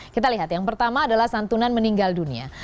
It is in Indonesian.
kita lihat yang pertama adalah santunan meninggal dunia